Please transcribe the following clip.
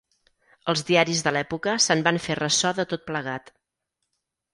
Els diaris de l'època se'n van fer ressò de tot plegat.